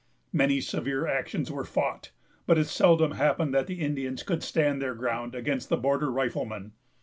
Many severe actions were fought, but it seldom happened that the Indians could stand their ground against the border riflemen.